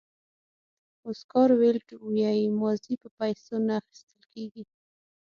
اوسکار ویلډ وایي ماضي په پیسو نه اخیستل کېږي.